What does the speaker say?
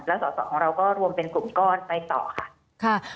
แล้วสอสอของเราก็รวมเป็นกลุ่มก้อนไปต่อค่ะ